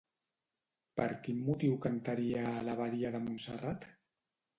Per quin motiu cantaria a l'abadia de Montserrat?